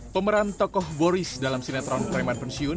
pemeran tokoh boris dalam sinetron preman pensiun